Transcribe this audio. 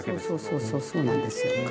そうそうそうそうなんですよ。